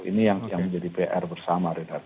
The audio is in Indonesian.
ini yang menjadi pr bersama renat